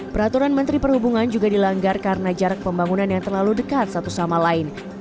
peraturan menteri perhubungan juga dilanggar karena jarak pembangunan yang terlalu dekat satu sama lain